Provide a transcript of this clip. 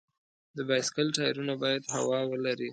د بایسکل ټایرونه باید هوا ولري.